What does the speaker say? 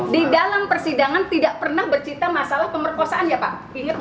di dalam persidangan tidak pernah bercerita masalah pemerkosaan ya pak